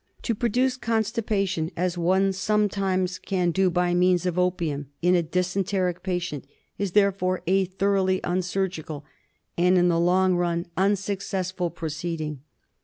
To produce constipation, as one sometimes can do by means of opium, in a dysenteric patient, is therefore a thoroughly un surgical and, in the long run, unsuccessful proceeding.